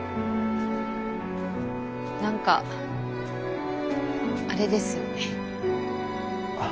何かあれですよね。